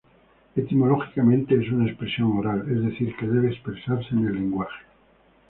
Etimológicamente es una expresión oral, es decir, que debe expresarse con el lenguaje.